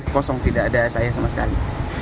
kosong tidak ada saya sama sekali